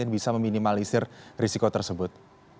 bisa meminimalisir risiko tersebut